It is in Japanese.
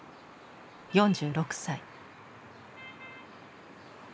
４６歳。